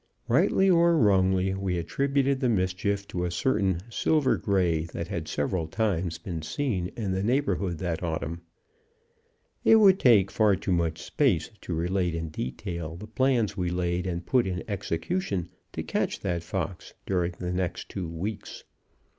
Rightly or wrongly, we attributed the mischief to a certain "silver gray" that had several times been seen in the neighborhood that autumn. It would take far too much space to relate in detail the plans we laid and put in execution to catch that fox during the next two weeks.